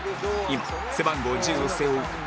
今背番号１０を背負う南野拓実